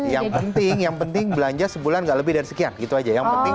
yang penting yang penting belanja sebulan gak lebih dari sekian gitu aja yang penting